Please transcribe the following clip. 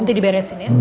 nanti diberesin ya